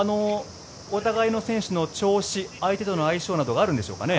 お互いの選手の調子相手との相性などがあるんでしょうかね？